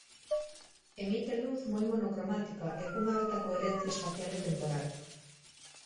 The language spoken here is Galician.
Emite luz moi monocromática e cunha alta coherencia espacial e temporal.